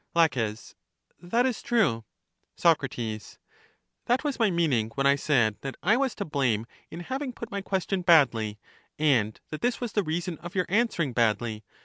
La. That is true. Soc, That was my meaning when I said that I was to blame in having put my question badly, and that this was the reason of your answering badly.